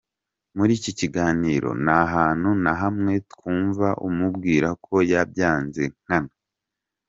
Muri iki kiganiro nta hantu na hamwe twumva umubwira ko yabyanze nkana.